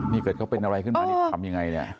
นี่เกิดเขาเป็นอะไรขึ้นมานี่ทำยังไงเนี่ย